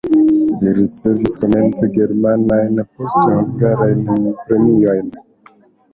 Li ricevis komence germanajn, poste hungarajn premiojn.